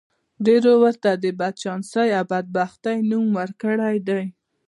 ډېرو ورته د بدچانسۍ او بدبختۍ نوم ورکړی دی